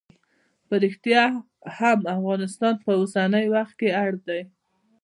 په ریښتیا هم افغانستان اوسنی وخت کې اړ دی.